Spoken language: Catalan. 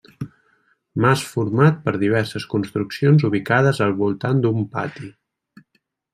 Mas format per diverses construccions ubicades al voltant d'un pati.